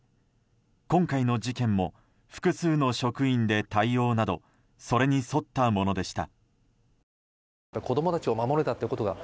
今回の事件も複数の職員で対応などそれに沿ったものでした。